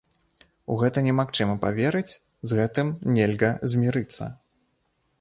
У гэта немагчыма паверыць, з гэтым нельга змірыцца.